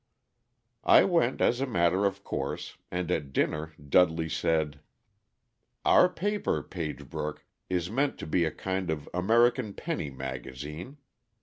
"I went, as a matter of course, and at dinner Dudley said: "'Our paper, Pagebrook, is meant to be a kind of American Penny Magazine.